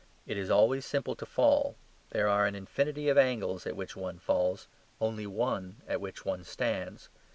It is always simple to fall; there are an infinity of angles at which one falls, only one at which one stands.